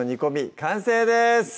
完成です